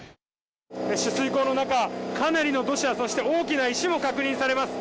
取水口の中、かなりの土砂、そして大きな石も確認されます。